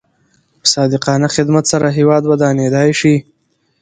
په صادقانه خدمت سره هیواد ودانېدای شي.